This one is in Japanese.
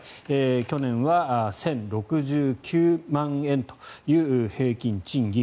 去年は１０６９万円という平均賃金。